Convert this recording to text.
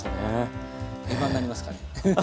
定番になりますかね。